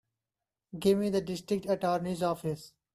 Give me the District Attorney's office.